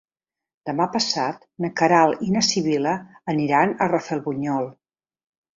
Demà passat na Queralt i na Sibil·la aniran a Rafelbunyol.